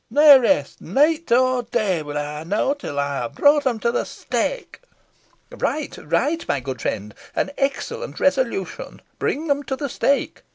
Nah rest, neet nor day, win ey know, till ey ha brought em to the stake." "Right right my good friend an excellent resolution bring them to the stake!"